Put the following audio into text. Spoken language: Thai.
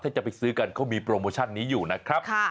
ถ้าจะไปซื้อกันเขามีโปรโมชั่นนี้อยู่นะครับ